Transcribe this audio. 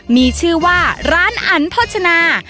มีชื่อว่าร้านอันโภชนา